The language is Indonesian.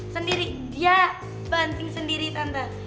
sendiri dia banting sendiri tanda